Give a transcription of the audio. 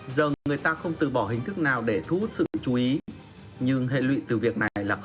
giờ người ta không từ bỏ hình thức nào để thu hút sự chú ý nhưng hệ lụy từ việc này là không hề nhỏ